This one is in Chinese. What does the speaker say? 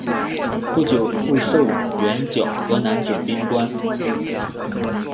不久复授援剿河南总兵官。